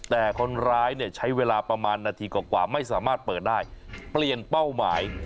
แต่คนร้ายเนี่ยใช้เวลาประมาณนาทีกว่าไม่สามารถเปิดได้เปลี่ยนเป้าหมาย